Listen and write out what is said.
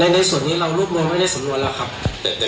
ด้านหลังกายนี้เราให้ความเชื่อถูกกี่เปอร์เซ็นต์นะครับกับทั้งหลัก